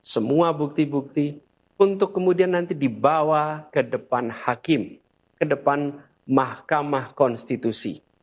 semua bukti bukti untuk kemudian nanti dibawa ke depan hakim ke depan mahkamah konstitusi